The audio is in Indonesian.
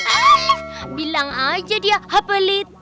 alih bilang aja dia ha pelit